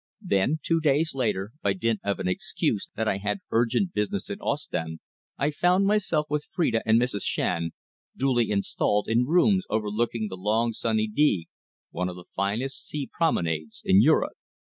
Then, two days later, by dint of an excuse that I had urgent business in Ostend, I found myself with Phrida and Mrs. Shand, duly installed, in rooms overlooking the long, sunny Digue, one of the finest sea promenades in Europe.